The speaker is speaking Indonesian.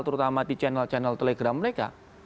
terutama di channel channel telegram mereka